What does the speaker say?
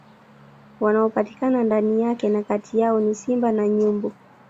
Wanaopatikana ndani yake na kati yao ni Simba na Nyumbu